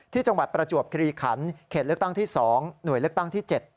จังหวัดประจวบคลีขันเขตเลือกตั้งที่๒หน่วยเลือกตั้งที่๗